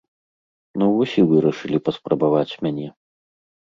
Ну вось і вырашылі паспрабаваць мяне.